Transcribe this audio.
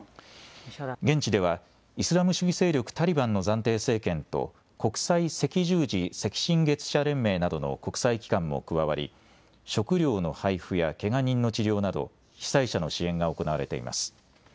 現地ではイスラム主義勢力タリバンの暫定政権と国際赤十字・赤新月社連盟などの国際機関も加わり食料の配付やけが人の治療など被災者の支援が行われています。